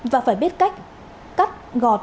và phải biết cách cắt gọt